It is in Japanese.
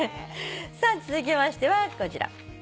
さあ続きましてはこちら。